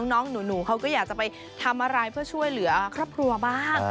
น้องหนูเขาก็อยากจะไปทำอะไรเพื่อช่วยเหลือครอบครัวบ้าง